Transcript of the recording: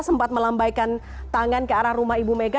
sempat melambaikan tangan ke arah rumah ibu mega